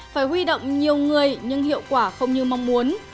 phải huy động nhiều người nhưng hiệu quả không như mong muốn